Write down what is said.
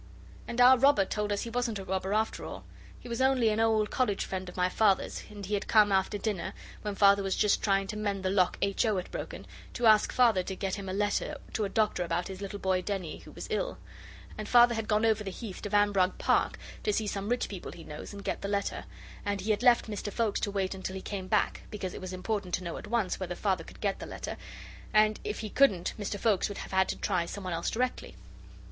And our robber told us he wasn't a robber after all. He was only an old college friend of my Father's, and he had come after dinner, when Father was just trying to mend the lock H. O. had broken, to ask Father to get him a letter to a doctor about his little boy Denny, who was ill. And Father had gone over the Heath to Vanbrugh Park to see some rich people he knows and get the letter. And he had left Mr Foulkes to wait till he came back, because it was important to know at once whether Father could get the letter, and if he couldn't Mr Foulkes would have had to try some one else directly.